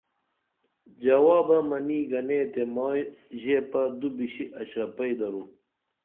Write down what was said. جوابہ منی گنے تے مائی ژیپہ دو بِشی اشرپئی درو